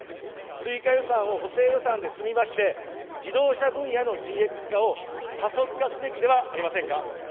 追加予算を補正予算で積み増して、自動車分野のＧＸを加速化すべきではありませんか。